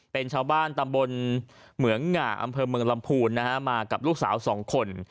เป็นชาวบ้านตำบลเหมืองหง่าอำเภอเมืองลำพูนนะฮะมากับลูกสาวสองคน